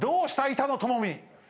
板野友美。